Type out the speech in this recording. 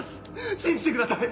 信じてください！